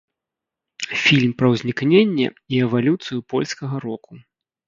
Фільм пра ўзнікненне і эвалюцыю польскага року.